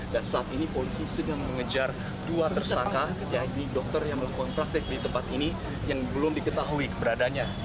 dan saat ini polisi sedang mengejar dua tersangka yaitu dokter yang melakukan praktek di tempat ini yang belum diketahui keberadanya